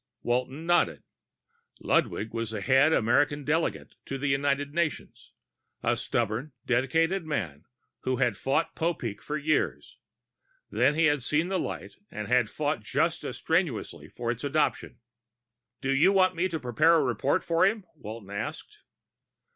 Walton nodded. Ludwig was the head American delegate to the United Nations, a stubborn, dedicated man who had fought Popeek for years; then he had seen the light and had fought just as strenuously for its adoption. "Do you want me to prepare a report for him?" Walton asked.